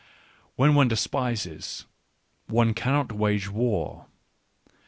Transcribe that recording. Where one despises, one cannot wage war.